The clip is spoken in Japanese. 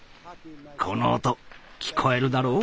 この音聞こえるだろう？